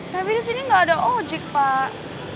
tapi di sini gak ada ojik pak